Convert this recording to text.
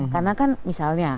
karena kan misalnya